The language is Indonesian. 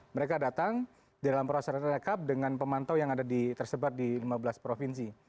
mereka datang dalam proses rekap dengan pemantau yang tersebut di lima belas provinsi